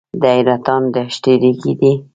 د حیرتان دښتې ریګي دي